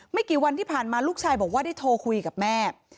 กี่วันที่ผ่านมาลูกชายบอกว่าได้โทรคุยกับแม่